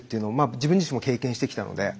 自分自身も経験してきたので。